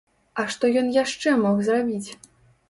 А што ён яшчэ мог зрабіць?